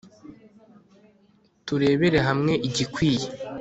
turebere hamwe igikwiye